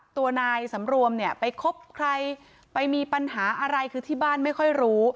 ตัวนายสำรวมเนี่ยไปคบใครไปมีปัญหาอะไรคือที่บ้านไม่ค่อยรู้